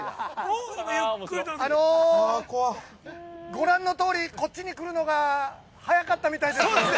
◆ご覧のとおり、こっちに来るのが早かったみたいです。